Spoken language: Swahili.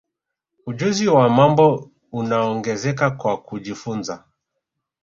ujuzi wa mambo unaongezeka kwa kujifunza